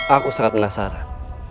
aku sangat penasaran